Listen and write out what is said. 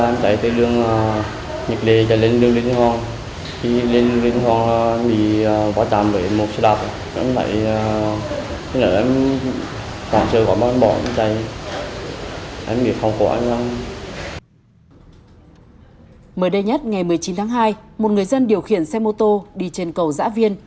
mới đây nhất ngày một mươi chín tháng hai một người dân điều khiển xe mô tô đi trên cầu giã viên